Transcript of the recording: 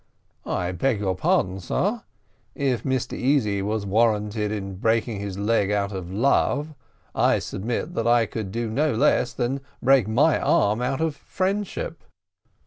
"I beg your pardon, sir; if Mr Easy was warranted in breaking his leg out of love, I submit that I could do no less than break my arm out of friendship."